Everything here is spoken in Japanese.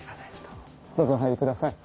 どうぞお入りください。